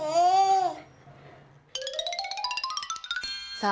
さあ